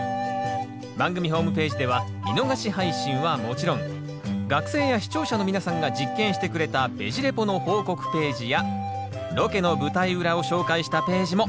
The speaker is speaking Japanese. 番組ホームページでは見逃し配信はもちろん学生や視聴者の皆さんが実験してくれた「ベジ・レポ」の報告ページやロケの舞台裏を紹介したページも。